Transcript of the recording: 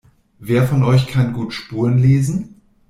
Wer von euch kann gut Spuren lesen?